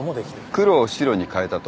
黒を白に変えたと。